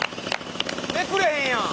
めくれへんやん。